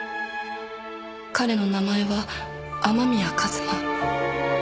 「彼の名前は雨宮一馬」